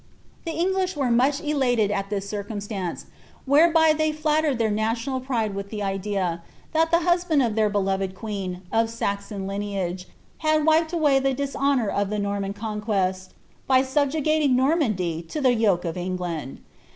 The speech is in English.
The English were much elated at ihi* (^ircuniB lance, whereby they flattered ^eir national pride with the idea, that the husband of their beloved queen, of Saxon lineoget had wiped away the dishonour <^ the Norman conquest, by subjugating Normandy to the yoke of England.'